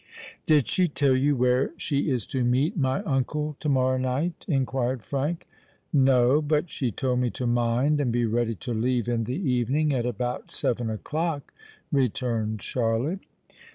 "Did she tell you where she is to meet my uncle to morrow night?" inquired Frank. "No: but she told me to mind and be ready to leave in the evening at about seven o'clock," returned Charlotte.